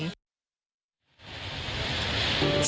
นี่สิไหม